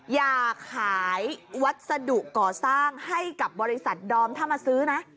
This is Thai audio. อย่าขายวัสดุก่อสร้างให้กับบริษัทดอมถ้ามาซื้อนะ